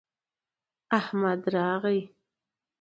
د احمد راغى